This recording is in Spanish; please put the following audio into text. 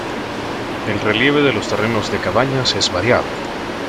El relieve de los terrenos de Cabañas es variado.